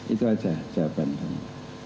itu saja jawaban saya